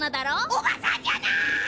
おばさんじゃない！